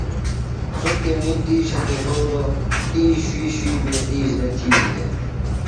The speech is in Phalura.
سوۡ تیݨی دِیشہ تھےۡ یھولوۡ۔ تی شُوئ شُوی بیتیۡ اِزدہ تِھیلیۡ دےۡ۔